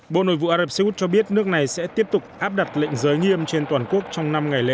bộ nội vụ ả rập xê út cho biết nước này sẽ tiếp tục áp đặt lệnh giới nghiêm trên toàn quốc trong năm ngày lễ